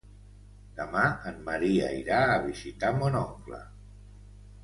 Demà en Maria irà a visitar mon oncle.